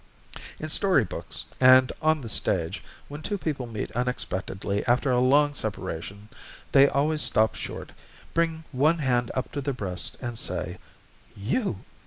In story books, and on the stage, when two people meet unexpectedly after a long separation they always stop short, bring one hand up to their breast, and say: "You!"